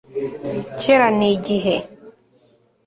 kera ni igihe